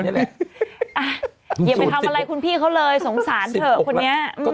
อย่าไปทำอะไรคุณพี่เขาเลยสงสารเถอะคนนี้